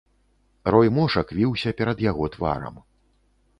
Рой мошак віўся перад яго тварам.